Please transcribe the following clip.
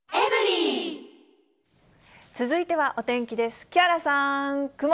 続いてはお天気です。